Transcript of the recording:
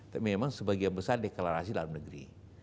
tapi memang sebagian besar deklarasi dalam negeri